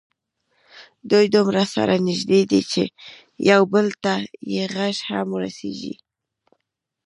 دوی دومره سره نږدې دي چې یو بل ته یې غږ هم رسېږي.